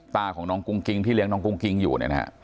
ตาของน้องกุ้งกิ๊งที่เลี้ยงน้องกุ้งกิ๊งอยู่